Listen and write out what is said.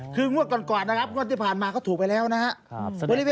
คืองวดก่อนนะครับงวดที่ผ่านมาก็ถูกไปแล้วนะครับ